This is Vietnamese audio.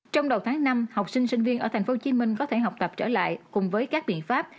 trong đầu tháng năm học sinh sinh viên ở tp hcm có thể học tập trở lại cùng với các biện pháp